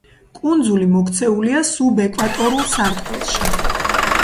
კუნძული მოქცეულია სუბეკვატორულ სარტყელში.